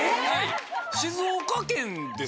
静岡県の。